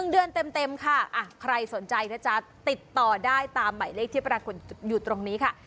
๑เดือนเต็มค่ะใครสนใจนะจ๊ะติดต่อได้ตามหมายเลขที่ปรากฏอยู่ตรงนี้ค่ะ